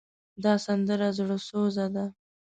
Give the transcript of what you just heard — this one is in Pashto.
دا سندره زړوسوزه ده.